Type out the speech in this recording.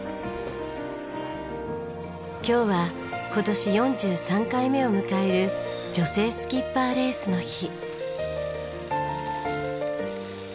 今日は今年４３回目を迎える女性スキッパーレースの日。